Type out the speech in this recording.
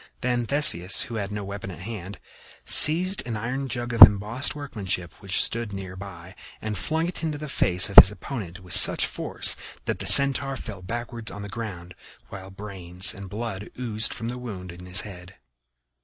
Then Theseus, who had no weapon at hand, seized an iron jug of embossed workmanship which stood near by and flung it into the face of his opponent with such force that the Centaur fell backward on the ground, while brains and blood oozed from the wound in his head.